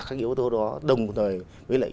các yếu tố đó đồng thời với lại